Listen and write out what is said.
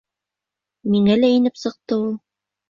Миңә лә инеп сыҡты ул.